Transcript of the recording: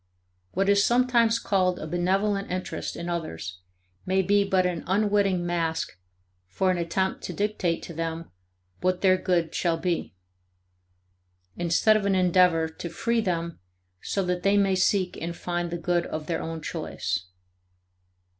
What is sometimes called a benevolent interest in others may be but an unwitting mask for an attempt to dictate to them what their good shall be, instead of an endeavor to free them so that they may seek and find the good of their own choice.